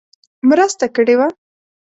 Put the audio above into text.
مرسته کړې وه.